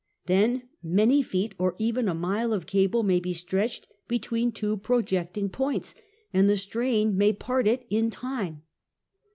Then, many feet, or even a mile, of cable may be stretched between two projecting points, and the strain may part it in time.